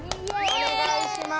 おねがいします！